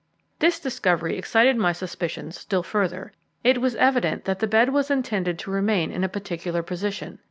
This discovery excited my suspicions still further. It was evident that the bed was intended to remain in a particular position.